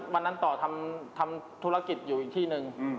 ตอนนั้นต่อทำธุรกิจอยู่อีกที่หนึ่ง